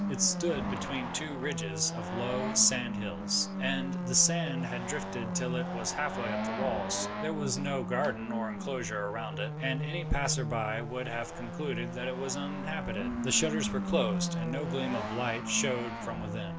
It stood between two ridges of low sand hills, and the sand had drifted till it was halfway up the walls. There was no garden or inclosure round it, and any passerby would have concluded that it was uninhabited. The shutters were closed, and no gleam of light showed from within.